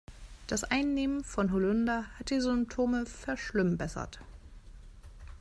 Das Einnehmen von Holunder hat die Symptome verschlimmbessert.